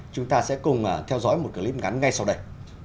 chúng ta sẽ cùng theo dõi một clip ngắn ngay sau đây